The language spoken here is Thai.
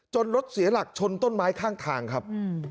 รถเสียหลักชนต้นไม้ข้างทางครับ